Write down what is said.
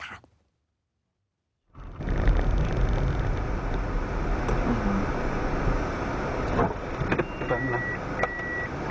แป๊บหนึ่งรถไฟไหม